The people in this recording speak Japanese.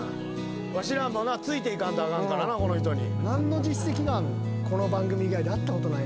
わしらついていかんとあかんからなこの人に。